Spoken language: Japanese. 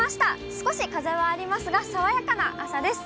少し風はありますが、爽やかな朝です。